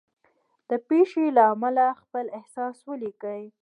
د پېښې له امله خپل احساس ولیکئ.